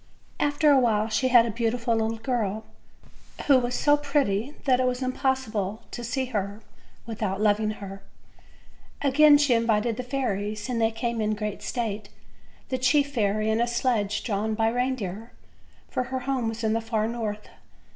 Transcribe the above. After awhile she had a beautiful little girl, who was so pretty that it was impossible to see her without loving 172 OLD, OLD FAIRY TALES. her. Again she invited the fairies, and they came in great state; the chief fairy in a sledge drawn by rein deer, for her home was in the far North.